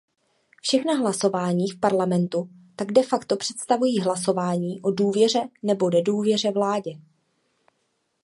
Všechna hlasování v parlamentu tak de facto představují hlasování o důvěře nebo nedůvěře vládě.